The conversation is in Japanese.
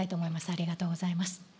ありがとうございます。